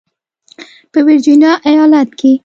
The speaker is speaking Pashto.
په ورجینیا ایالت کې